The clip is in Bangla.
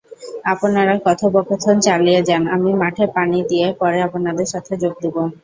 আপনারা কথোপকথন চালিয়ে যান, আমি মাঠে পানি দিয়ে পরে আপনাদের সাথে যোগ দিব।